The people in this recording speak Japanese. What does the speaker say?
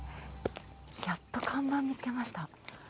やっと看板見つけました。